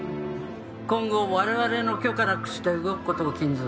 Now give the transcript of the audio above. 「今後我々の許可なくして動く事を禁ず」